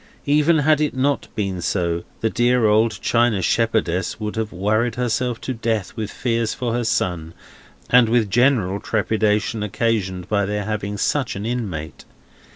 Even had it not been so, the dear old china shepherdess would have worried herself to death with fears for her son, and with general trepidation occasioned by their having such an inmate.